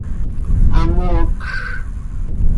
Hamoocj.